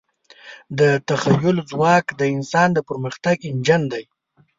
د تخیل ځواک د انسان د پرمختګ انجن دی.